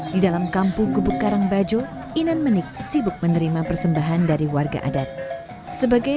di dalam kampung gubuk karang bajo inan menik sibuk menerima persembahan dari warga adat sebagai